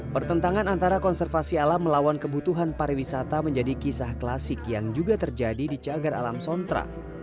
pertentangan antara konservasi alam melawan kebutuhan pariwisata menjadi kisah klasik yang juga terjadi di cagar alam sontra